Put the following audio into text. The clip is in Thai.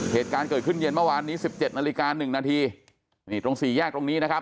เหตุการณ์เกิดขึ้นเย็นเมื่อวานนี้สิบเจ็ดนาฬิกาหนึ่งนาทีนี่ตรงสี่แยกตรงนี้นะครับ